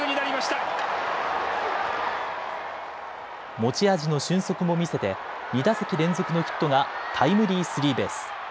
持ち味の俊足も見せて２打席連続のヒットがタイムリースリーベース。